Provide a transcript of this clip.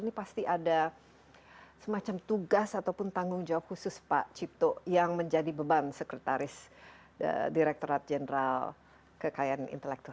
ini pasti ada semacam tugas ataupun tanggung jawab khusus pak cipto yang menjadi beban sekretaris direkturat jenderal kekayaan intelektual